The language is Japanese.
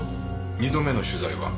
２度目の取材は？